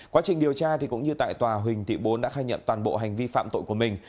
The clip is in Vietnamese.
quá trình điều tra cũng như tại tòa huỳnh thị bốn đã khai nhận toàn bộ hành vi phạm tội của mình